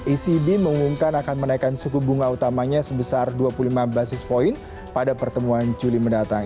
ecb mengumumkan akan menaikkan suku bunga utamanya sebesar dua puluh lima basis point pada pertemuan juli mendatang